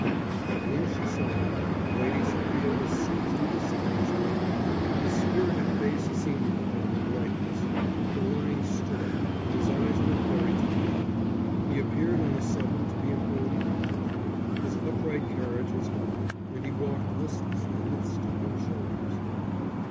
But when she saw him, Lady Sophia was seized with astonishment. His spirited face seemed wan and lifeless; the lines stood out, and his eyes were very tired. He appeared on a sudden to be an old man. His upright carriage was gone and he walked listlessly, with stooping shoulders.